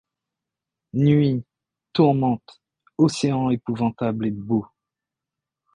Nuit, tourmente ; océan épouvantable et beau !